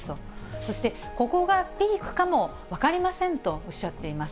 そして、ここがピークかも分かりませんとおっしゃっています。